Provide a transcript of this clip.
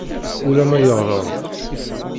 Ulamma yeɣleḍ.